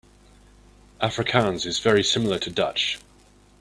Afrikaans is very similar to Dutch.